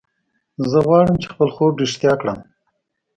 زه غواړم چې خپل خوب رښتیا کړم